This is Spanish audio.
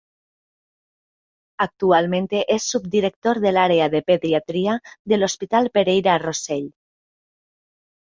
Actualmente es subdirector del área de pediatría del Hospital Pereira Rossell.